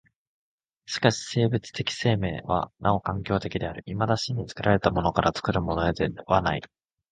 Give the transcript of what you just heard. しかし生物的生命はなお環境的である、いまだ真に作られたものから作るものへではない。